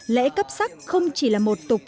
lễ cấp sắc không chỉ là một tục